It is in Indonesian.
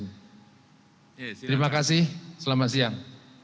terima kasih selamat siang